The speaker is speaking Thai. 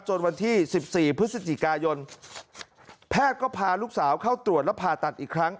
วันที่๑๔พฤศจิกายนแพทย์ก็พาลูกสาวเข้าตรวจและผ่าตัดอีกครั้ง